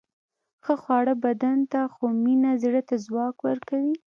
ښه خواړه بدن ته، خو مینه زړه ته ځواک ورکوي.